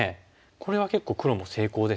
これは結構黒も成功ですよね。